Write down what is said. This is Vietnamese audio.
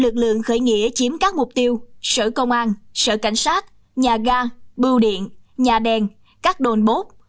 lực lượng khởi nghĩa chiếm các mục tiêu sở công an sở cảnh sát nhà ga bưu điện nhà đèn các đồn bốt